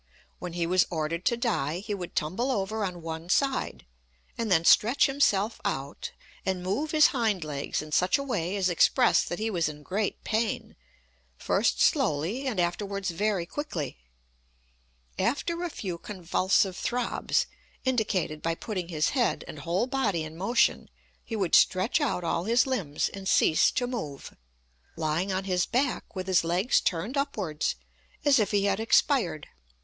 When he was ordered to die, he would tumble over on one side, and then stretch himself out, and move his hind legs in such a way as expressed that he was in great pain, first slowly and afterwards very quickly. After a few convulsive throbs, indicated by putting his head and whole body in motion, he would stretch out all his limbs and cease to move, lying on his back with his legs turned upwards, as if he had expired.